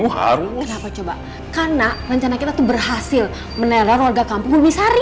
karena rencana kita berhasil menerah warga kampung misari